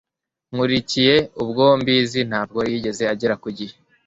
Nkurikije uko mbizi ntabwo yigeze agera ku gihe